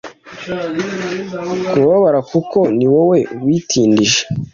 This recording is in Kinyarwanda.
kubabara kuko niwowe witindije